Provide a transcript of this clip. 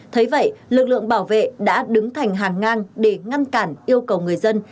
thấy vậy lực lượng bảo vệ đã đứng thành hàng ngang để ngăn cản yêu cầu người dân